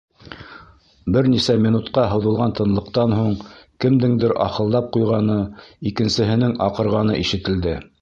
Бер нисә минутҡа һуҙылған тынлыҡтан һуң кемдеңдер ахылдап ҡуйғаны, икенсеһенең аҡырғаны ишетелде: